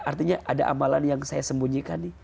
artinya ada amalan yang saya sembunyikan nih